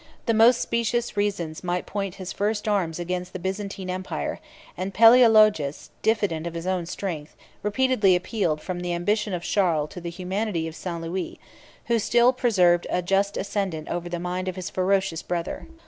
The most specious reasons might point his first arms against the Byzantine empire; and Palæologus, diffident of his own strength, repeatedly appealed from the ambition of Charles to the humanity of St. Louis, who still preserved a just ascendant over the mind of his ferocious brother.